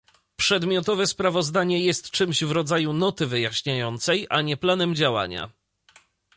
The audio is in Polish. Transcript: Przedmiotowe sprawozdanie jest czymś w rodzaju noty wyjaśniającej, a nie planem działania